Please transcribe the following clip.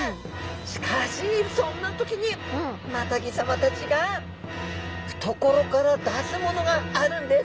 しかしそんな時にマタギさまたちが懐から出すものがあるんです。